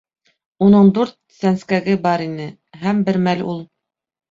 Уның дүрт сәнскәге бар ине, һәм бер мәл ул: